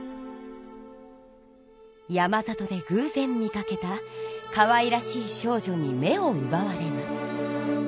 山里でぐうぜん見かけたかわいらしい少女に目をうばわれます。